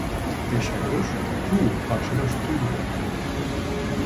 Pêşeroj û paşeroj tune ye.